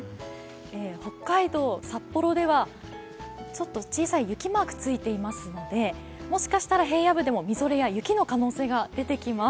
北海道札幌では小さい雪マークがついていますのでもしかしたら平野部でもみぞれや雪の可能性が出てきます。